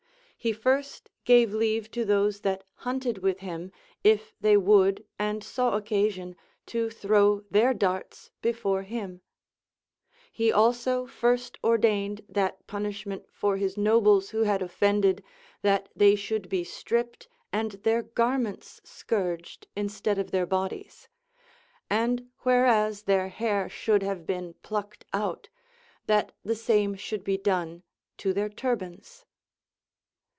He first gave leave to those that hunted Avith him. if they would and saw occasion, to throw their darts before him. He also first ordained that punish ment for his nobles Avho had offended, that they should be stripped and their garments scourged instead of their bodies ; and whereas their hair should have been plucked out, that the same should be done to their turbans.